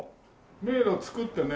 迷路を作ってね